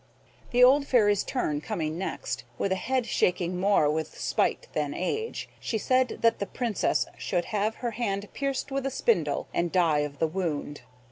The old Fairy's turn coming next, with a head shaking more with spite than age, she said that the Princess should have her hand pierced with a spindle and die of the wound.